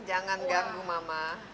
jangan ganggu mama